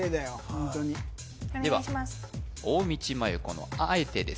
ホントにお願いしますでは大道麻優子のあえてです